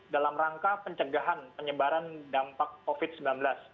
dalam rangka pencegahan penyebaran dampak covid sembilan belas